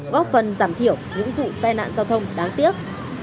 góp phần giảm thiểu những vụ tai nạn giao thông đáng tiếc